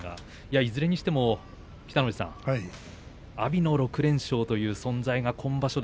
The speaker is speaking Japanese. いずれにしても阿炎の６連勝という存在が今場所